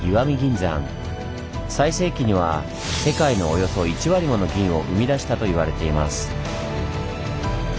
最盛期には世界のおよそ１割もの銀を生み出したといわれています。